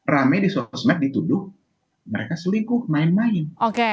rame di sosmed dituduh mereka selingkuh main main